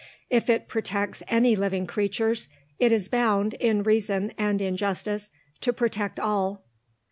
If it protects any living creatures, it is bound, in reason and in justice, to protect all.